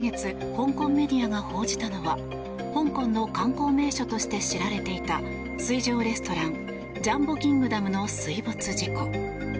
先月香港メディアが報じたのは香港の観光名所として知られていた水上レストランジャンボ・キングダムの水没事故。